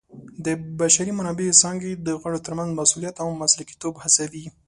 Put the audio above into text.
د بشري منابعو څانګې د غړو ترمنځ مسؤلیت او مسلکیتوب هڅوي.